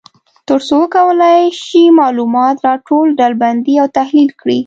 تر څو وکولای شي معلومات را ټول، ډلبندي او تحلیل کړي.